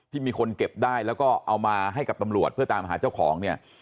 มีคนเก็บได้แล้วก็เอามาให้กับตำรวจเพื่อตามหาเจ้าของเนี่ย